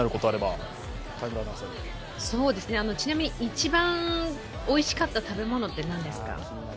ちなみに、一番おいしかった食べ物って何ですか。